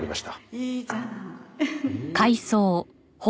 いいじゃない。